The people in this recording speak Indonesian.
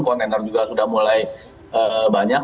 kontainer juga sudah mulai banyak